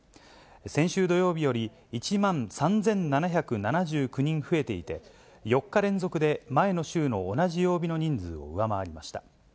先週土曜日より１万３７７９人増えていて、４日連続で前の週の同じ曜日の人数を上回りました。